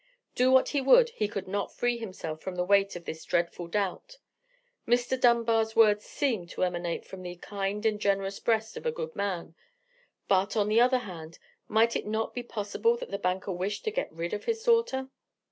Do what he would, he could not free himself from the weight of this dreadful doubt. Mr. Dunbar's words seemed to emanate from the kind and generous breast of a good man: but, on the other hand, might it not be possible that the banker wished to get rid of his daughter?